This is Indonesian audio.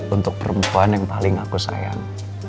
untuk perempuan yang paling aku sayang